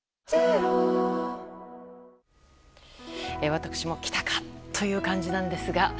私も来たかという感じなんですが。